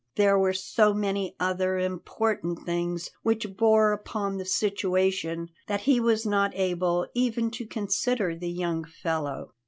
There were so many other important things which bore upon the situation that he was not able even to consider the young fellow.